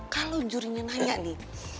kalau juri nanya nih